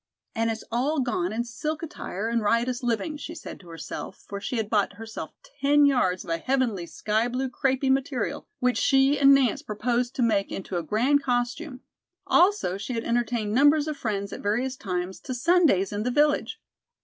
"And it's all gone in silk attire and riotous living," she said to herself, for she had bought herself ten yards of a heavenly sky blue crêpey material which she and Nance proposed to make into a grand costume, also she had entertained numbers of friends at various times to sundaes in the village.